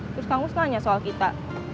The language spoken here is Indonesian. terus kang mus nanya soal kita